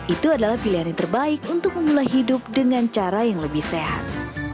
itu adalah pilihan yang terbaik untuk memulai hidup dengan cara yang lebih sehat